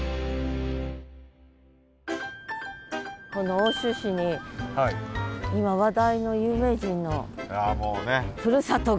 この奥州市に今話題の有名人のふるさとが。